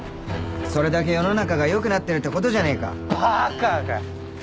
それだけ世の中がよくなってるってことじゃねぇかバカか！